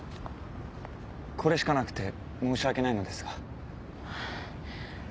これしかなくて申し訳ないのですが。